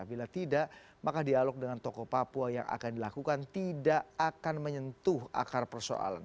bila tidak maka dialog dengan tokoh papua yang akan dilakukan tidak akan menyentuh akar persoalan